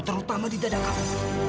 terutama di dada kamu